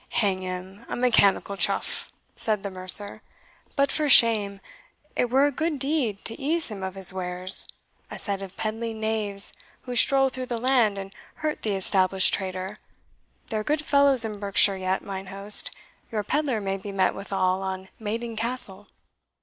"Hang him, a mechanical chuff!" said the mercer; "but for shame, it were a good deed to ease him of his wares a set of peddling knaves, who stroll through the land, and hurt the established trader. There are good fellows in Berkshire yet, mine host your pedlar may be met withal on Maiden Castle."